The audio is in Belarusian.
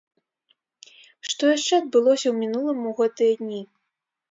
Што яшчэ адбылося ў мінулым у гэтыя дні?